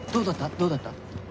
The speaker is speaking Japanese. どうだった？